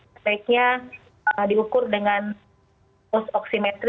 sebaiknya diukur dengan post oximetry